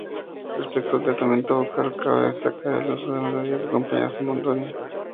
Respecto al tratamiento vocal, cabe destacar el uso de melodías acompañadas o monodia.